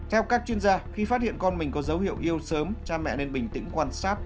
theo các chuyên gia khi phát hiện con mình có dấu hiệu yêu sớm cha mẹ nên bình tĩnh quan sát